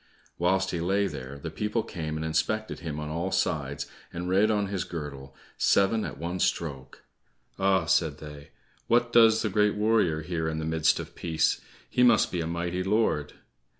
Whilst he lay there, the people came and inspected him on all sides, and read on his girdle, "Seven at one stroke." "Ah," said they, "What does the great warrior here in the midst of peace? He must be a mighty lord."